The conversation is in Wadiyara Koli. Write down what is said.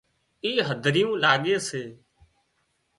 اِي هڌريون لاڳي سي